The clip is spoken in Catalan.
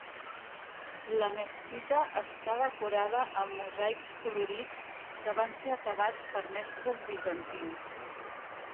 La mesquita està decorada amb mosaics colorits, que van ser acabats per mestres bizantins.